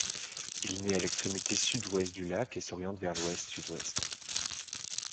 Il nait à l'extrémité sud-ouest du lac et s'oriente vers l'ouest-sud-ouest.